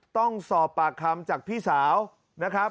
ต้องสอบปากคำจากพี่สาวนะครับ